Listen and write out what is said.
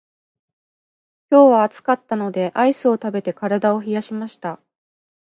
今日は暑かったのでアイスを食べて体を冷やしました。